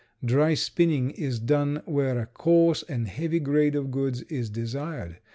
Dry spinning is done where a coarse and heavy grade of goods is desired.